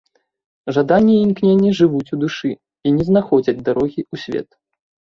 Жаданні і імкненні жывуць у душы і не знаходзяць дарогі ў свет.